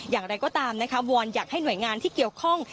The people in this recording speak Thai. อย่างไรก็ตามนะคะวอนอยากให้หน่วยงานที่เกี่ยวข้อง